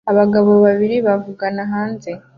Abagabo babiri bavugana hanze